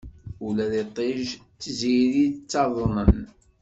Ula d iṭij d tziri ttaḍnen.